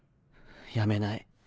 やめない。